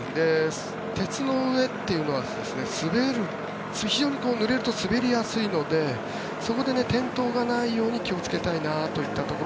鉄の上というのは滑る非常にぬれると滑りやすいのでそこで転倒がないように気をつけたいといったところ。